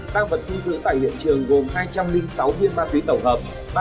tăng vật thu giữ tại hiện trường gồm hai trăm linh sáu viên ma túy tổng hợp